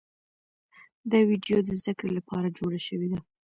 دا ویډیو د زده کړې لپاره جوړه شوې ده.